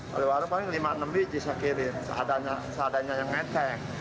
paling warung paling lima enam biji disekirin seadanya yang ngeteng